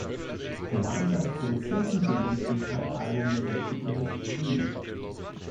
Gemeinsam produzierten Sie lediglich ein Album mit dem Titel „Cream“.